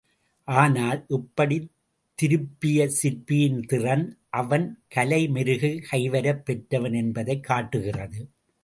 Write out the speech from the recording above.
ஆனால், இப்படித் திருப்பிய சிற்பியின் திறன், அவன் கலை மெருகு கைவரப் பெற்றவன் என்பதைக் காட்டுகிறது.